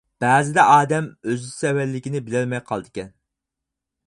بەزىدە ئادەم ئۆز سەۋەنلىكىنى بىلەلمەي قالىدىكەن.